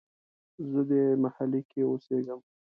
زه دې محلې کې اوسیږم